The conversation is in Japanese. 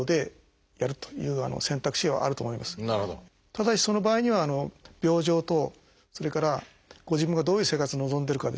ただしその場合には病状とそれからご自分がどういう生活を望んでるかですね